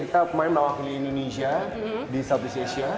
kita pemain melawakili indonesia di southeast asia